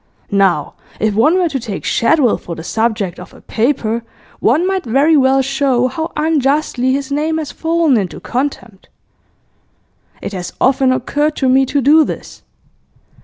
Now, if one were to take Shadwell for the subject of a paper, one might very well show how unjustly his name has fallen into contempt. It has often occurred to me to do this.